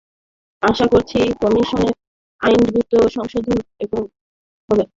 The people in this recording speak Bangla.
আশা করছি কমিশনের আইনও দ্রুত সংশোধন এবং ভূমি সমস্যার সমাধান হবে।